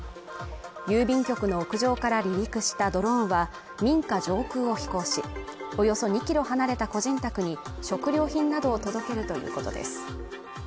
郵便局の屋上から離陸したドローンは、民家上空を飛行し、およそ２ｋｍ離れた個人宅に食料品などを届けるということです。